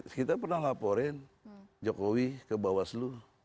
kita pernah laporin jokowi ke bawaslu